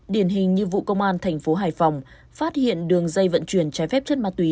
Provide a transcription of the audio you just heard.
điển hình như vụ công an thành phố hải phòng phát hiện đường dây vận chuyển trái phép chất ma túy